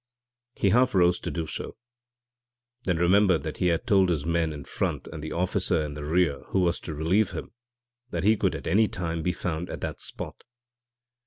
He half rose to do so, then remembered that he had told his men in front and the officer in the rear who was to relieve him that he could at any time be found at that spot.